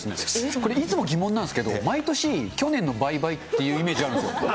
これ、いつも疑問なんですけれども、毎年去年の倍々ってイメージあるんですよ。